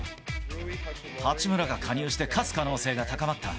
八村が加入して勝つ可能性が高まった。